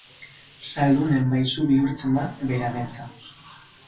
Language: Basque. Zaldunen maisu bihurtzea da bere ametsa.